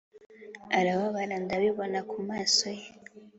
Arababara ndabibona ku maso ye